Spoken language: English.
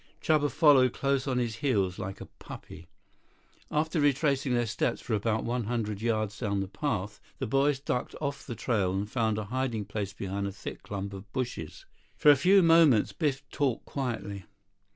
Chuba followed close on his heels like a puppy. After retracing their steps for about one hundred yards down the path, the boys ducked off the trail and found a hiding place behind a thick clump of bushes. For a few moments Biff talked quietly.